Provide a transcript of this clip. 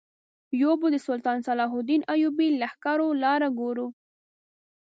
یو به د سلطان صلاح الدین ایوبي لښکرو لاره ګورو.